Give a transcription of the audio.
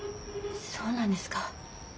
そうなんですか。